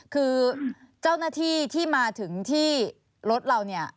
คือเจ้าหน้าที่ที่มาถึงที่รถเราเนี่ย